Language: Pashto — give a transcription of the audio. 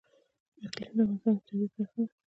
اقلیم د افغانستان د طبیعت برخه ده.